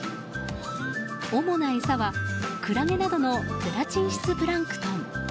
主な餌はクラゲなどのゼラチン質プランクトン。